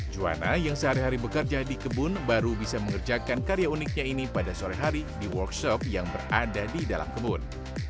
juwana yang sehari hari bekerja di kebun baru bisa mengerjakan karya uniknya ini pada sore hari di workshop yang berada di dalam kebun